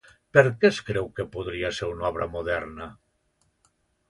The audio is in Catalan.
Per què es creu que podria ser una obra moderna?